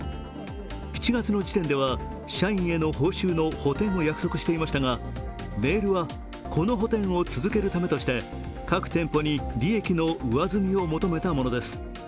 ７月の時点では、社員への報酬の補填を約束していましたがメールは、この補填を続けるためとして各店舗に利益の上積みを求めたものです。